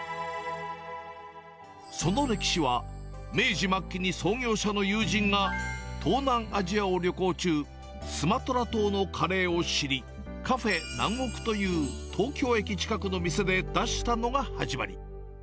その歴史は、明治末期に創業者の友人が東南アジアを旅行中、スマトラ島のカレーを知り、カフェ南国という東京駅近くの店で出したのが始まり。